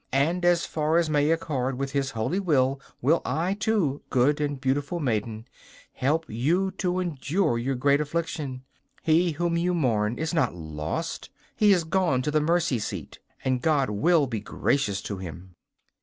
And as far as may accord with His holy will I, too, good and beautiful maiden, help you to endure your great affliction. He whom you mourn is not lost; he is gone to the mercy seat, and God will be gracious to him.